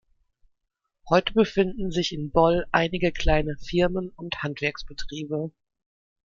Heute befinden sich in Boll einige kleine Firmen und Handwerksbetriebe.